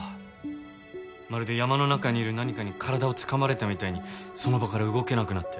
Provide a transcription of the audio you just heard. まるで山の中にいる何かに体をつかまれたみたいにその場から動けなくなって。